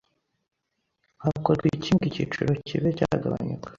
Hakorwa iki ngo igiciro kibe cyagabanyuka.